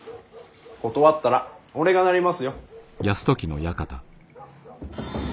断ったら俺がなりますよ。